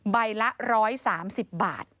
ใบละ๑๓๐บาท